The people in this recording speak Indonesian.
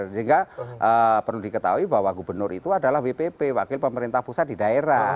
sehingga perlu diketahui bahwa gubernur itu adalah wpp wakil pemerintah pusat di daerah